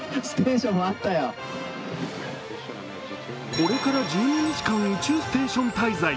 これから１２日間、宇宙ステーション滞在。